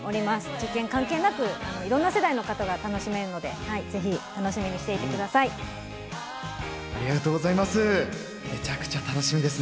受験関係なく、いろんな世代の方が楽しめるので、ぜひ楽しみにしありがとうございます。